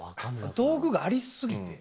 道具がありすぎて。